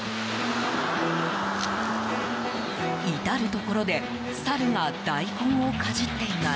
至るところでサルが大根をかじっています。